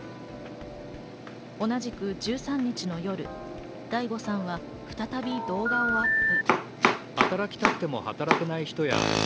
同じく１３日の夜、ＤａｉＧｏさんは再び動画をアップ。